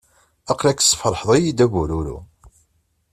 Aql-ak tesferḥeḍ-iyi-d a bururu.